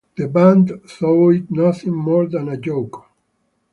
The band thought it nothing more than a joke.